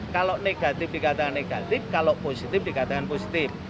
kalau negatif dikatakan negatif kalau positif dikatakan positif